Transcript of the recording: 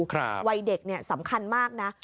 ครับวัยเด็กสำคัญมากนะ